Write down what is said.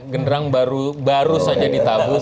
genderang baru saja ditabuh